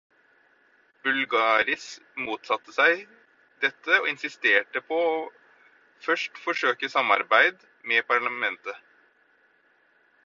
Bulgaris motsatte seg dette og insisterte på å først forsøke samarbeid med parlamentet.